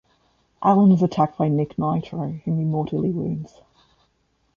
Alan is attacked by Nick Nitro, whom he mortally wounds.